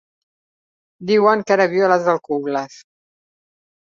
Diuen que ara viu a les Alcubles.